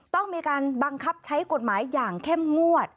ต้องมีการบังคับใช้กฎหมายอย่างเข้มงวด